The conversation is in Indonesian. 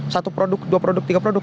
satu produk dua produk tiga produk